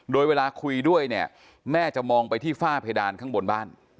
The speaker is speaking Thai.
โดยเวลาคุยด้วยเนี่ยแม่จะมองไปที่ฝ้าเพดานข้างบนบ้าน